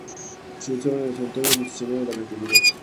Se conserva en el santuario de Nuestra Señora de la Caridad.